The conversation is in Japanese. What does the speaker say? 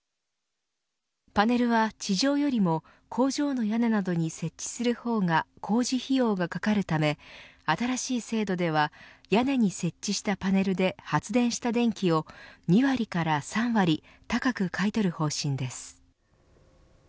パネルは地上よりも工場の屋根などに設置するほうが工事費用がかかるため新しい制度では屋根に設置したパネルで発電した電気を２割から３割高く買い取る方針です。